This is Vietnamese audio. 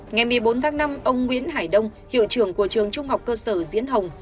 ngày một mươi bốn tháng năm ông nguyễn hải đông hiệu trưởng của trường trung học cơ sở diễn hồng